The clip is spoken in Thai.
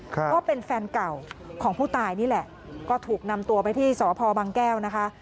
ก็เป็นแฟนเก่าของผู้ตายนี่แหละก็ถูกนำตัวไปที่สพบางแก้วนะคะ